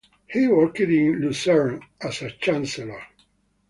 He worked in Lucerne as a chancellor.